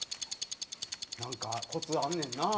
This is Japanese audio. なんかコツあんねんな。